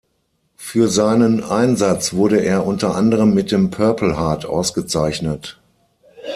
Für seinen Einsatz wurde er unter anderem mit dem Purple Heart ausgezeichnet.